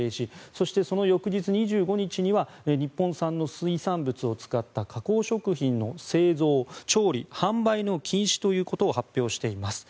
そして、その翌日２５日には日本産の水産物を使った加工食品の製造・調理販売の禁止ということを発表しています。